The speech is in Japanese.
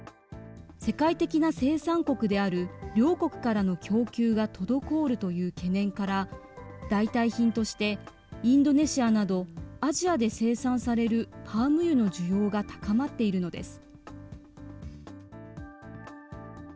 世界的な生産国である両国からの供給が滞るという懸念から、代替品としてインドネシアなど、アジアで生産されるパーム油の需要が高まっているのです。